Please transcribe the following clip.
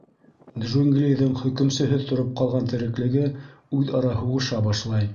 Джунглиҙың хөкөмсөһөҙ тороп ҡалған тереклеге үҙ-ара һуғыша башлай.